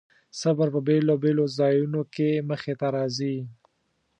صبر په بېلابېلو ځایونو کې مخې ته راځي.